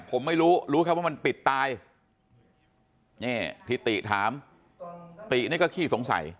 ผมไม่รู้รู้แค่ว่ามันปิดตายนี่ที่ติถามตินี่ก็ขี้สงสัย